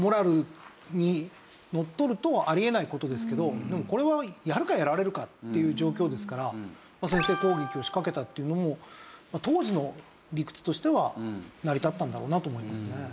このでもこれはやるかやられるかっていう状況ですから先制攻撃を仕掛けたっていうのも当時の理屈としては成り立ったんだろうなと思いますね。